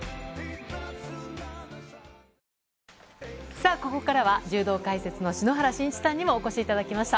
さあ、ここからは柔道解説の篠原信一さんにもお越しいただきました。